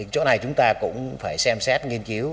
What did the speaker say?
chỗ này chúng ta cũng phải xem xét nghiên cứu